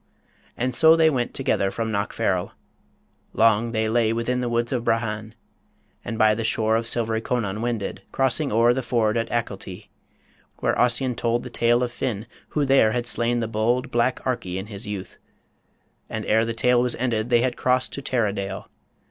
And so went they Together from Knockfarrel. Long they lay Within the woods of Brahan, and by the shore Of silvery Conon wended, crossing o'er The ford at Achilty, where Ossian told The tale of Finn, who there had slain the bold Black Arky in his youth. And ere the tale Was ended, they had crossed to Tarradale.